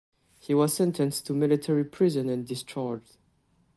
He was sentenced to military prison and discharged.